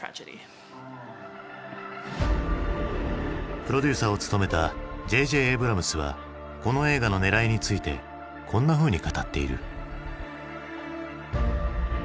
プロデューサーを務めたＪ・Ｊ・エイブラムスはこの映画のねらいについてこんなふうに語っている。